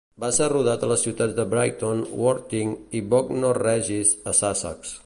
Va ser rodat a les ciutats de Brighton, Worthing i Bognor Regis, a Sussex.